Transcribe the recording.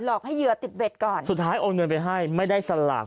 อกให้เหยื่อติดเบ็ดก่อนสุดท้ายโอนเงินไปให้ไม่ได้สลาก